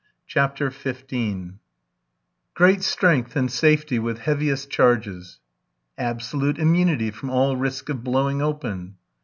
CHAPTER XV "Great strength and safety with heaviest charges." "Absolute immunity from all risk of blowing open."